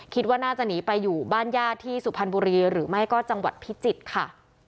คิดว่าน่าจะหนีไปอยู่บ้านญาติที่สุพรรณบุรีหรือไม่ก็จังหวัดพิจิตรค่ะ